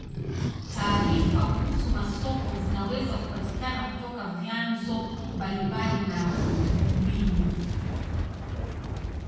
Taarifa kuhusu masoko zinaweza kupatikana kutoka vyanzo mbalimbali na na mbinu.